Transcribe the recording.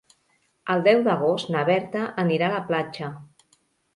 El deu d'agost na Berta anirà a la platja.